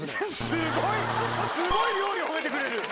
すごい、すごい料理褒めてくれる。